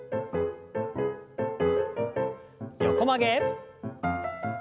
横曲げ。